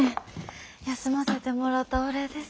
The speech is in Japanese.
休ませてもろうたお礼です。